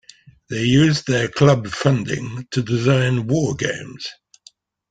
They used their club funding to design war games.